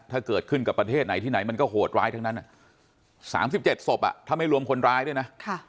ถ้าเกิดขึ้นกับประเทศไหนที่ไหนมันก็โหดร้ายทั้งนั้น๓๗ศพถ้าไม่รวมคนร้ายด้วยนะ